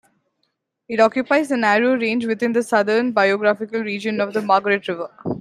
It occupies a narrow range within the southwestern biogeographical region of Margaret River.